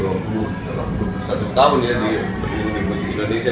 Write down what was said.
itu dalam dua puluh satu tahun ya di musik indonesia